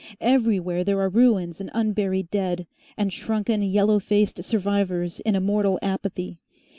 Everywhere there are ruins and unburied dead, and shrunken, yellow faced survivors in a mortal apathy.